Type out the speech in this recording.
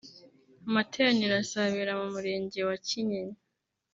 Amateraniro azabera mu Murenge wa Kinyinya